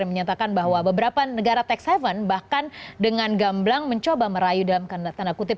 yang menyatakan bahwa beberapa negara tax haven bahkan dengan gamblang mencoba merayu dalam tanda kutip